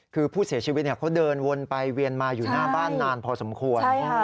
คือผู้เสียชีวิตเขาเดินวนไปเวียนมาอยู่หน้าบ้านนานพอสมควร